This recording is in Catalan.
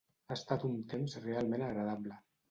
Ha estat un temps realment agradable.